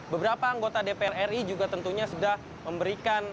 beberapa anggota dpr ri juga tentunya sudah memberikan